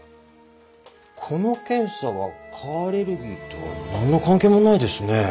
この検査は蚊アレルギーとは何の関係もないですね。